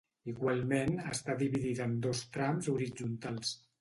Igualment està dividida en dos trams horitzontals.